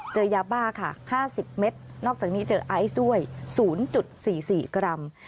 เจอยาบ้าค่ะ๕๐เมตรนอกจากนี้เจอไอซ์ด้วย๐๔๔กรัม